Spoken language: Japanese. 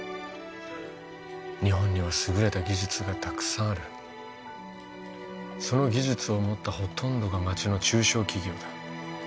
日本には優れた技術がたくさんあるその技術を持ったほとんどが町の中小企業だ